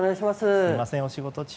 すみません、お仕事中。